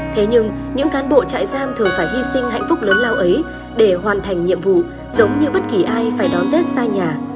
thế nhưng những cán bộ trại giam thường phải hy sinh hạnh phúc lớn lao ấy để hoàn thành nhiệm vụ giống như bất kỳ ai phải đón tết xa nhà